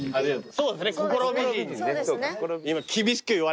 そうですね。